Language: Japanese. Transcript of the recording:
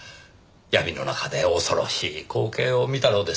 闇の中で恐ろしい光景を見たのです。